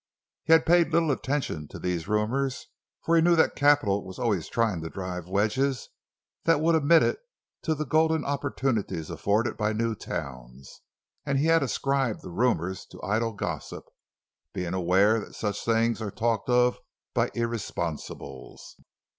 He had paid little attention to these rumors, for he knew that capital was always trying to drive wedges that would admit it to the golden opportunities afforded by new towns, and he had ascribed the rumors to idle gossip, being aware that such things are talked of by irresponsibles.